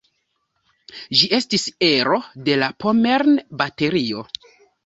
Ĝi estis ero de la "Pommern-Baterio".